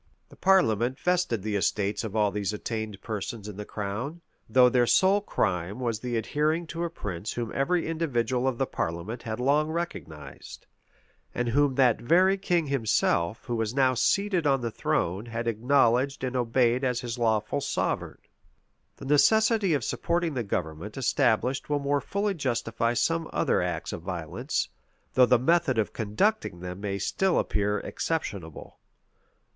The parliament vested the estates of all these attainted persons in the crown, though their sole crime was the adhering to a prince whom every individual of the parliament had long recognized, and whom that very king himself, who was now seated on the throne, had acknowledged and obeyed as his lawful sovereign. The necessity of supporting the government established will more fully justify some other acts of violence, though the method of conducting them may still appear exceptionable.